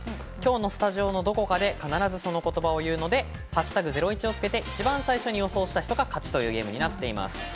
スタジオのどこかで必ずその言葉を言うので、「＃ゼロイチ」をつけて一番最初に予想した人が勝ちというゲームです。